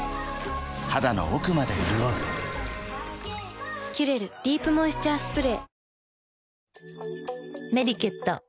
肌の奥まで潤う「キュレルディープモイスチャースプレー」